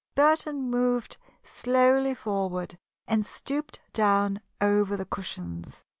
Burton moved slowly forward and stooped down over the cushions.